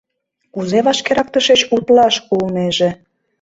Кузе вашкерак тышеч утлаш улнеже?